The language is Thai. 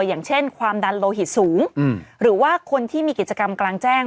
อย่างเช่นความดันโลหิตสูงหรือว่าคนที่มีกิจกรรมกลางแจ้ง